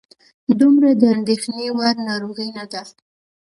دومره د اندېښنې وړ ناروغي نه ده.